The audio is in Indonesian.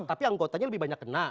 tapi anggotanya lebih banyak kena